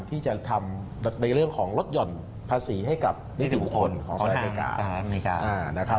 ที่จะทำในเรื่องของลดหย่อนภาษีให้กับนิติบุคคลของสหรัฐอเมริกานะครับ